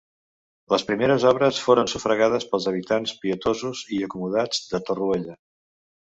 Les primeres obres foren sufragades pels habitants pietosos i acomodats de Torroella.